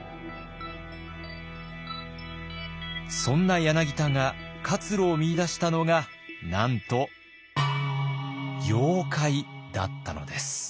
そんな柳田が活路を見いだしたのがなんと妖怪だったのです。